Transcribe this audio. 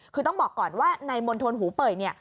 คือต้องบอกก่อนว่าในมณฑลหูเป่ยเนี่ย